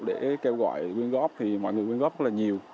để kêu gọi nguyên góp thì mọi người nguyên góp rất là nhiều